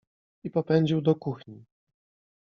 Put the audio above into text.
I popędził do kuchni.